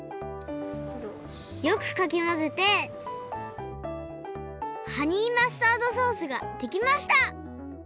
よくかきまぜてハニーマスタードソースができました。